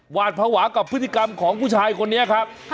หวาดภาวะกับพฤติกรรมของผู้ชายคนนี้ครับ